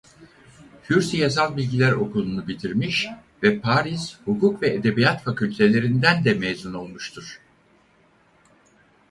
Hür Siyasal Bilgiler Okulu'nu bitirmiş ve Paris Hukuk ve Edebiyat Fakültelerinden de mezun olmuştur.